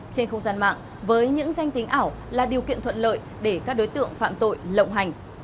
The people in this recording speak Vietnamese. trên không gian mạng với những danh tính ảo là điều kiện thuận lợi để các đối tượng phạm tội lộng hành